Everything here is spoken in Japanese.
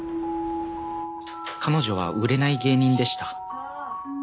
彼女は売れない芸人でした。